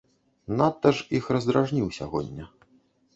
Надта ж іх раздражніў сягоння.